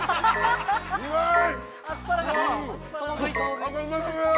うまい！